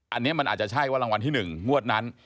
อันนี้มันอาจจะใช่ว่ารางวัลที่๑งวดนั้น